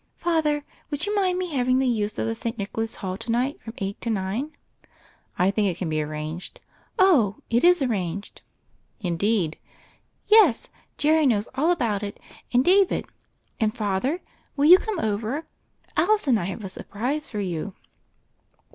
"Father, would you mind my having the use of the St. Nicholas Hall to night from eight to nine?" "I think it can be arranged." "Oh, it is arranged 1" THE FAIRY OF THE SNOWS 167 "Indeed?" "Yes; Jerry knows all about it, and David. And, Father, will you come over: Alice and I have a surprise for you